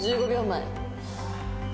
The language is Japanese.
１５秒前。